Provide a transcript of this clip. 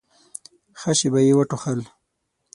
ښه شېبه يې وټوخل.